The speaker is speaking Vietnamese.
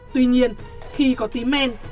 tuy nhiên khi có tí men